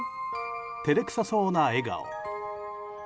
照れくさそうな笑顔。